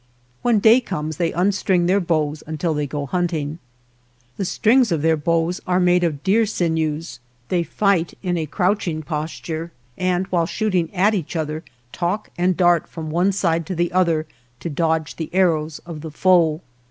When day comes they unstring their bows until they go hunt ing. The strings of their bows are made of deer sinews. They fight in a crouching pos ture, and while shooting at each other talk and dart from one side to the other to dodge the arrows of the foe.